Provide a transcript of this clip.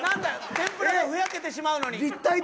天ぷらがふやけてしまうのに。